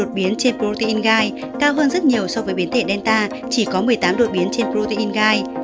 ba mươi hai đột biến trên protein gai cao hơn rất nhiều so với biến thể delta chỉ có một mươi tám đột biến trên protein gai